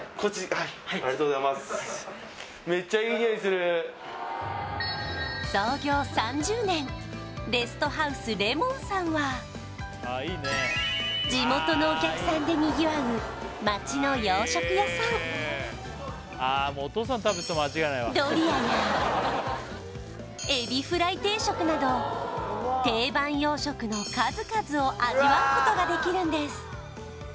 はいありがとうございますレストハウスレモンさんは地元のお客さんでにぎわうドリアやエビフライ定食など定番洋食の数々を味わうことができるんです